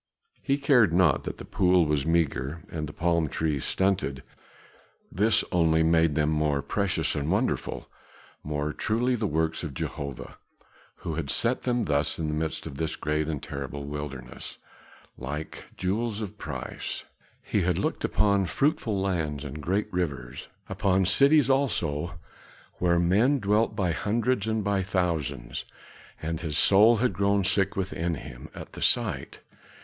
He cared not that the pool was meagre and the palm trees stunted, this only made them the more precious and wonderful, more truly the works of Jehovah, who had set them thus in the midst of this great and terrible wilderness, like jewels of price. He had looked upon fruitful lands and great rivers, upon cities also, where men dwelt by hundreds and by thousands, and his soul had grown sick within him at the sight.